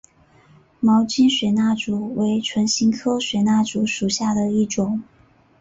毛茎水蜡烛为唇形科水蜡烛属下的一个种。